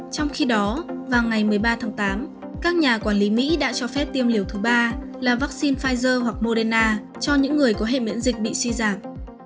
trong khi đó vào ngày một mươi ba tháng tám các nhà quản lý mỹ đã cho phép tiêm liều thứ ba là vaccine pfizer hoặc moderna cho những người có hệ miễn dịch bị suy giảm